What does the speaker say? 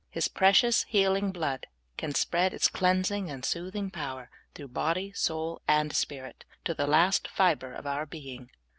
His precious, healing blood can spread its cleansing and soothing power through body, soul, and spirit, to the last fibre of our being.